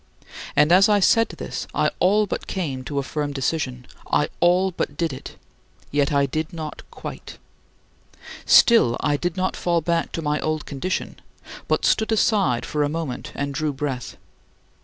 And as I said this I all but came to a firm decision. I all but did it yet I did not quite. Still I did not fall back to my old condition, but stood aside for a moment and drew breath.